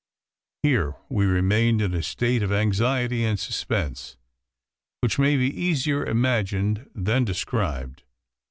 Here we remained in a state of anxiety and suspense, which may be easier imagined than described.